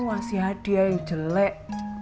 wasi hadiah yang jelek